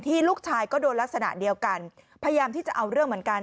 ลูกชายก็โดนลักษณะเดียวกันพยายามที่จะเอาเรื่องเหมือนกัน